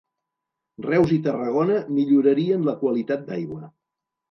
Reus i Tarragona millorarien la qualitat d’aigua.